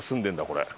これ。